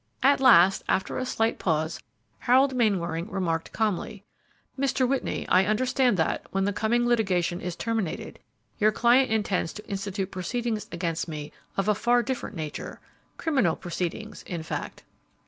At last, after a slight pause, Harold Mainwaring remarked, calmly, "Mr. Whitney, I understand that, when the coming litigation is terminated, your client intends to institute proceedings against me of a far different nature, criminal proceedings, in fact."